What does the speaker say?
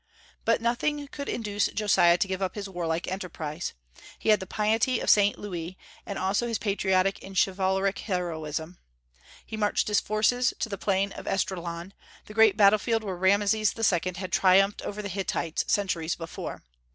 But nothing could induce Josiah to give up his warlike enterprise. He had the piety of Saint Louis, and also his patriotic and chivalric heroism. He marched his forces to the plain of Esdraelon, the great battle field where Rameses II. had triumphed over the Hittites centuries before.